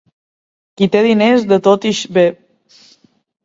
Qui té diners de tot ix bé.